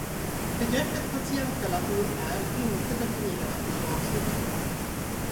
Begreppet patientrelation är inte definierat i lagstiftningen.